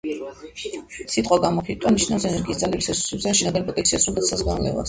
სიტყვა „გამოფიტვა“ ნიშნავს ენერგიის, ძალების, რესურსების ან შინაგანი პოტენციალის სრულ დაცლასა და განლევას.